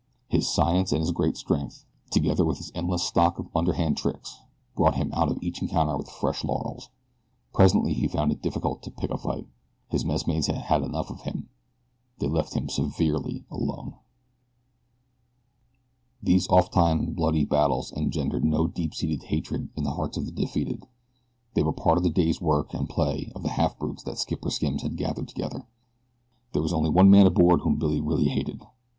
His science and his great strength, together with his endless stock of underhand tricks brought him out of each encounter with fresh laurels. Presently he found it difficult to pick a fight his messmates had had enough of him. They left him severely alone. These ofttimes bloody battles engendered no deep seated hatred in the hearts of the defeated. They were part of the day's work and play of the half brutes that Skipper Simms had gathered together. There was only one man aboard whom Billy really hated.